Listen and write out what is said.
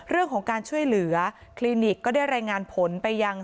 เรื่องของการช่วยเหลือคลินิกก็ได้รายงานผลไปยัง